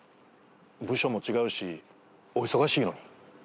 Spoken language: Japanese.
部署も違うしお忙しいのに。